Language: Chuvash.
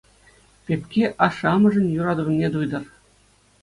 Пепке ашшӗ-амӑшӗн юратӑвне туйтӑр.